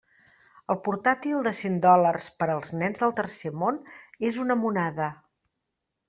El portàtil de cent dòlars per als nens del tercer món és una monada.